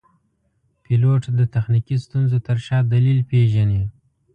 پیلوټ د تخنیکي ستونزو تر شا دلیل پېژني.